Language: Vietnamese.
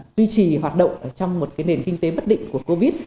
tuy trì hoạt động trong một nền kinh tế bất định của covid